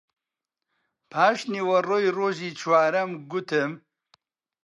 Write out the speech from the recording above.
پاش نیوەڕۆی ڕۆژی چوارەم گوتم: